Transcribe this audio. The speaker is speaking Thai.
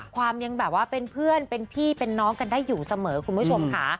ความยังแบบว่าเป็นเพื่อนเป็นพี่เป็นน้องกันได้อยู่เสมอคุณผู้ชมค่ะ